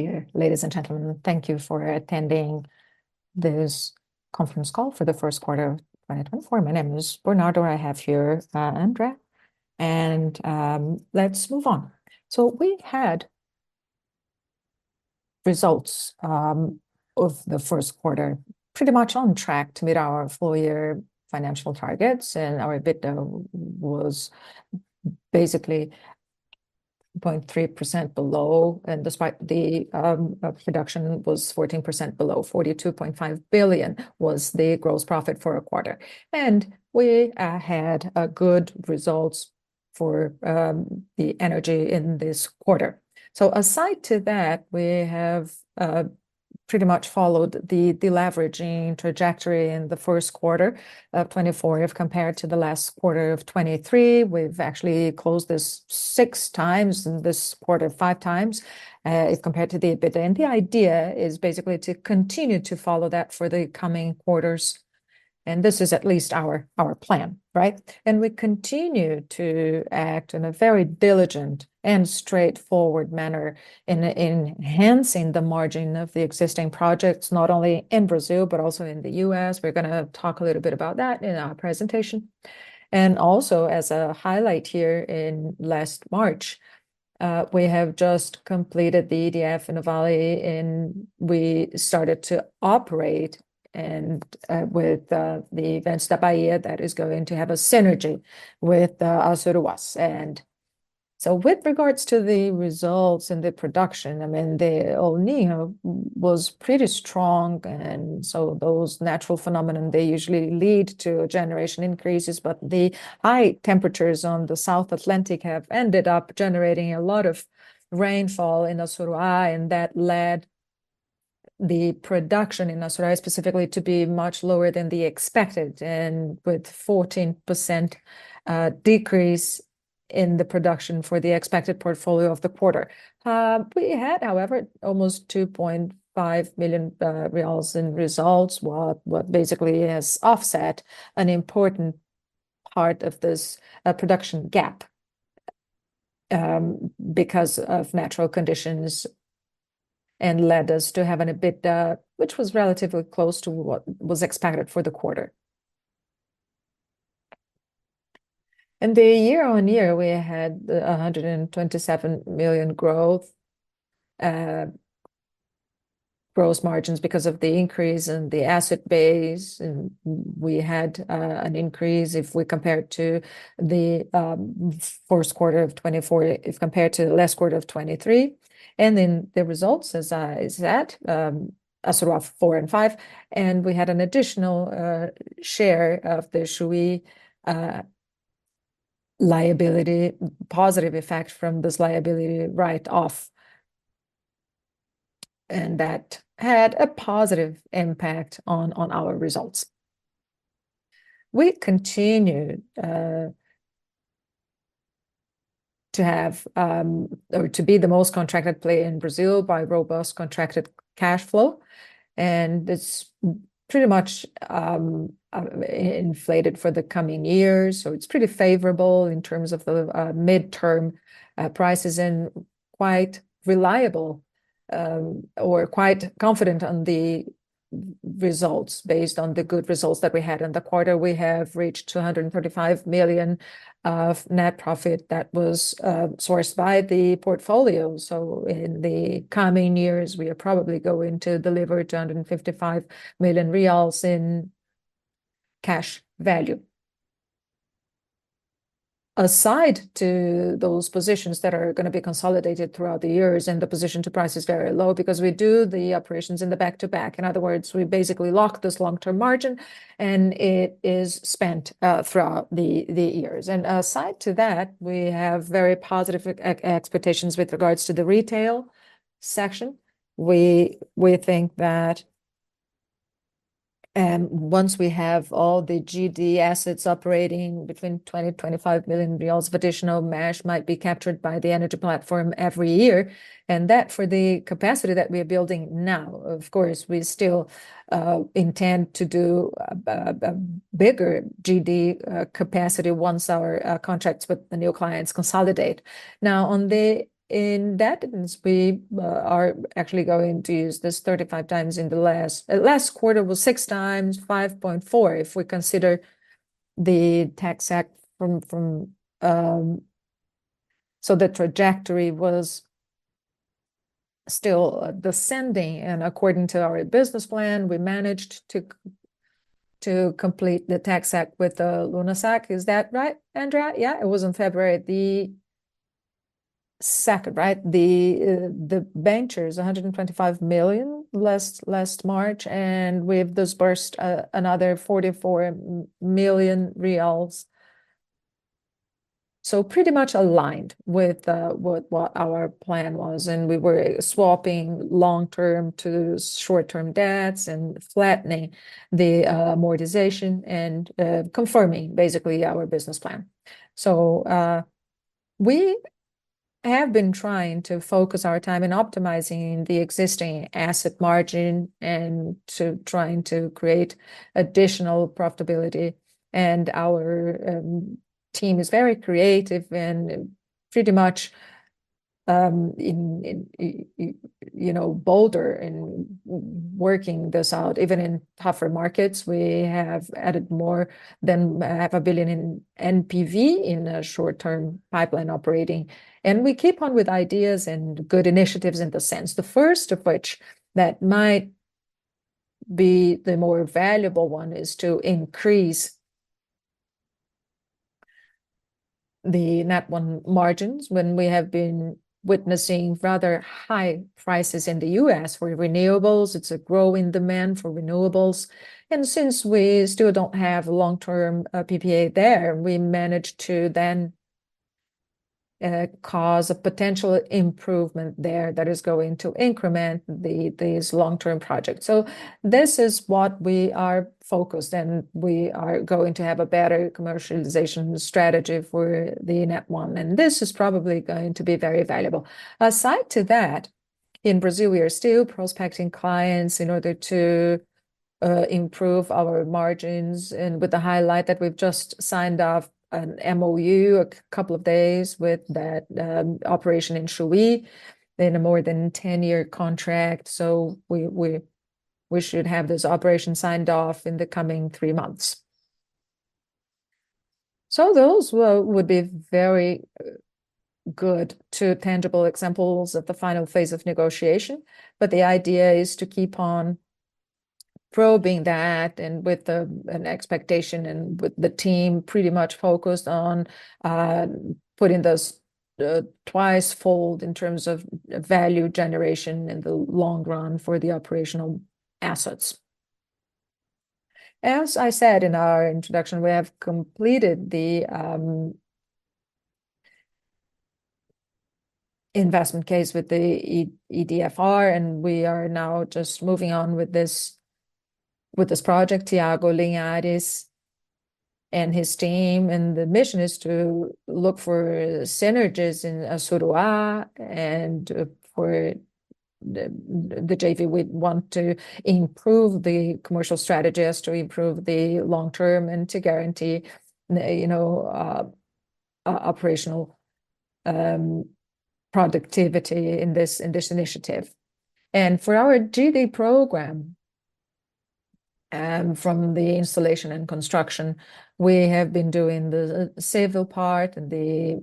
Dear ladies and gentlemen, thank you for attending this conference call for the first quarter of 2024. My name is Bernardo. I have here, Andrea, and, let's move on. So we had results of the first quarter pretty much on track to meet our full year financial targets, and our EBITDA was basically 0.3% below, and despite the production was 14% below, 42.5 billion was the gross profit for a quarter. And we had a good results for the energy in this quarter. So aside to that, we have pretty much followed the deleveraging trajectory in the first quarter of 2024. If compared to the last quarter of 2023, we've actually closed this 6x, and this quarter, 5x, if compared to the EBITDA. The idea is basically to continue to follow that for the coming quarters, and this is at least our, our plan, right? We continue to act in a very diligent and straightforward manner in enhancing the margin of the existing projects, not only in Brazil, but also in the US. We're gonna talk a little bit about that in our presentation. Also, as a highlight here, in last March, we have just completed the EDF in VdB, and we started to operate and with the Ventos da Bahia, that is going to have a synergy with Assuruá Basin. So with regards to the results and the production, I mean, the El Niño was pretty strong, and so those natural phenomenon, they usually lead to generation increases. But the high temperatures on the South Atlantic have ended up generating a lot of rainfall in Assuruá, and that led the production in Assuruá specifically to be much lower than the expected, and with 14% decrease in the production for the expected portfolio of the quarter. We had, however, almost 2.5 million reais in results, while what basically has offset an important part of this production gap because of natural conditions, and led us to have an EBITDA which was relatively close to what was expected for the quarter. And year-on-year, we had 127 million growth in gross margins because of the increase in the asset base, and we had an increase if we compare it to the first quarter of 2024, if compared to the last quarter of 2023. Then the results, as I said, Assuruá 4 and 5, and we had an additional share of the Chuí liability, positive effect from this liability write-off, and that had a positive impact on our results. We continued to have or to be the most contracted player in Brazil by robust contracted cash flow, and it's pretty much inflated for the coming years. So, it's pretty favorable in terms of the midterm prices, and quite reliable or quite confident on the results. Based on the good results that we had in the quarter, we have reached 235 million of net profit that was sourced by the portfolio. So, in the coming years, we are probably going to deliver 255 million reais in cash value. Aside to those positions that are gonna be consolidated throughout the years, and the position to price is very low, because we do the operations in the back-to-back. In other words, we basically lock this long-term margin, and it is spent throughout the years. Aside to that, we have very positive expectations with regards to the retail section. We think that once we have all the GD assets operating, BRL 20 million-BRL 25 million of additional cash might be captured by the energy platform every year, and that for the capacity that we are building now. Of course, we still intend to do a bigger GD capacity once our contracts with the new clients consolidate. Now, on the indebtedness, we are actually going to use this 35 times in the last... Last quarter was 6 times 5.4, if we consider the tax equity from. So, the trajectory was still descending, and according to our business plan, we managed to complete the tax equity with Goldman Sachs. Is that right, Andrea? Yeah, it was on February the 2nd, right? debentures 125 million last March, and we've disbursed another 44 million reais. So pretty much aligned with what our plan was, and we were swapping long-term to short-term debts and flattening the amortization and confirming basically our business plan. So, we have been trying to focus our time in optimizing the existing asset margin and to trying to create additional profitability. And our team is very creative and pretty much, you know, bolder in working this out. Even in tougher markets, we have added more than $500 million in NPV in a short-term pipeline operating. We keep on with ideas and good initiatives in the sense, the first of which that might be the more valuable one, is to increase the Net 1 margins when we have been witnessing rather high prices in the U.S. for renewables. It's a growing demand for renewables, and since we still don't have long-term PPA there, we managed to then cause a potential improvement there that is going to increment these long-term projects. This is what we are focused, and we are going to have a better commercialization strategy for the Net 1, and this is probably going to be very valuable. Aside to that, in Brazil, we are still prospecting clients in order to improve our margins, and with the highlight that we've just signed off an MOU a couple of days with that operation in Chuí, in a more than 10-year contract. So, we should have this operation signed off in the coming three months. So those would be very good two tangible examples at the final phase of negotiation, but the idea is to keep on probing that, and with an expectation, and with the team pretty much focused on putting those twice-fold in terms of value generation in the long run for the operational assets. As I said in our introduction, we have completed the investment case with the EDFR, and we are now just moving on with this project, Thiago Linhares and his team. And the mission is to look for synergies in Assuruá and for the JV. We want to improve the commercial strategies to improve the long term and to guarantee you know operational productivity in this initiative. And for our GD program, from the installation and construction, we have been doing the civil part and the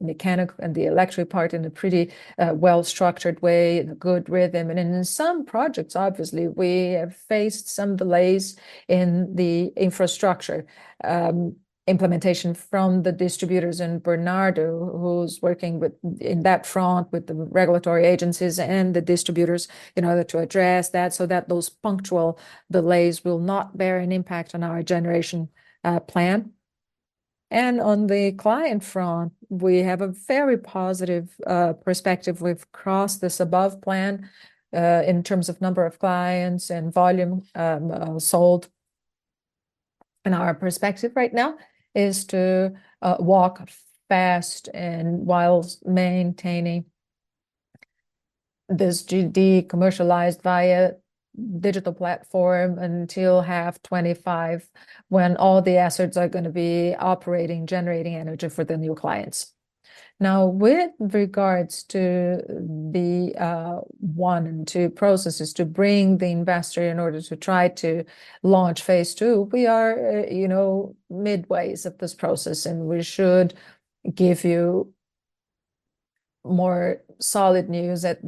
mechanical and the electric part in a pretty well-structured way, in a good rhythm. In some projects, obviously, we have faced some delays in the infrastructure implementation from the distributors, and Bernardo, who's working with, in that front, with the regulatory agencies and the distributors, in order to address that, so that those punctual delays will not bear an impact on our generation plan. On the client front, we have a very positive perspective. We've crossed this above plan in terms of number of clients and volume sold. Our perspective right now is to walk fast and whilst maintaining this GD commercialized via digital platform until half 2025, when all the assets are gonna be operating, generating energy for the new clients. Now, with regards to the I and II processes, to bring the investor in order to try to launch phase II, we are, you know, midways of this process, and we should give you more solid news towards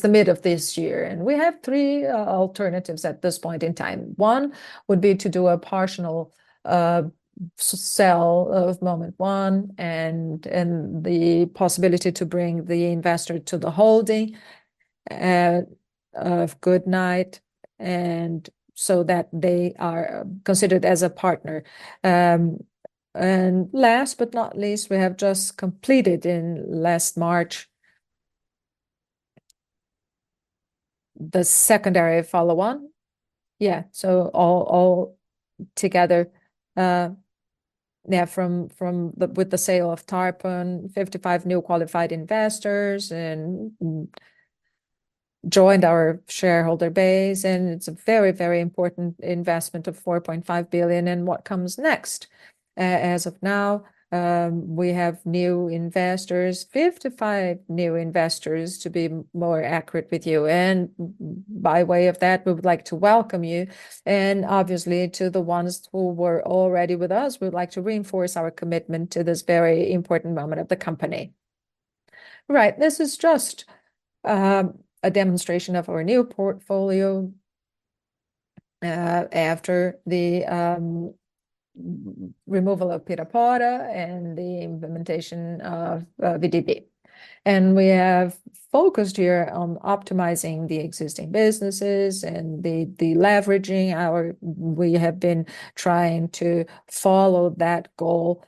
the mid of this year. We have three alternatives at this point in time. One would be to do a partial sell of Goodnight 1, and the possibility to bring the investor to the holding of Goodnight, and so that they are considered as a partner. And last but not least, we have just completed in last March the secondary follow-on. So, all together, from... With the sale of Taíba, 55 new qualified investors joined our shareholder base, and it's a very, very important investment of 4.5 billion. What comes next? As of now, we have new investors, 55 new investors, to be more accurate with you. By way of that, we would like to welcome you, and obviously, to the ones who were already with us, we'd like to reinforce our commitment to this very important moment of the company. Right. This is just a demonstration of our new portfolio after the removal of Pirapora and the implementation of VDB. We have focused here on optimizing the existing businesses and the leveraging. We have been trying to follow that goal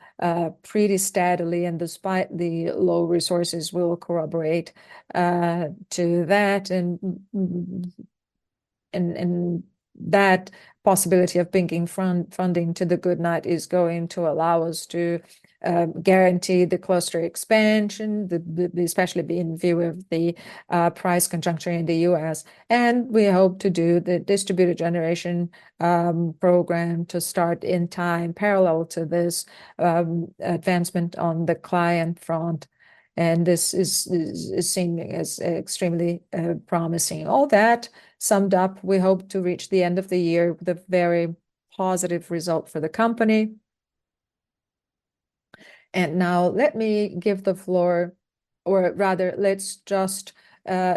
pretty steadily, and despite the low resources, we will corroborate to that. And that possibility of bringing funding to the Goodnight is going to allow us to guarantee the cluster expansion, especially in view of the price conjuncture in the U.S. And we hope to do the distributed generation program to start in time, parallel to this advancement on the client front, and this is seeming as extremely promising. All that summed up, we hope to reach the end of the year with a very positive result for the company. And now, let me give the floor, or rather, let's just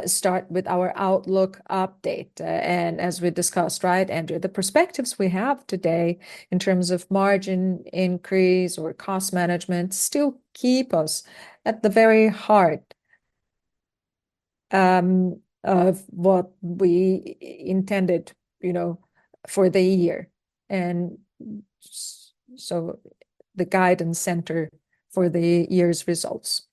start with our outlook update, and as we discussed, right, Andrea? The perspectives we have today in terms of margin increase or cost management still keep us at the very heart of what we intended, you know, for the year, and so the guidance center for the year's results.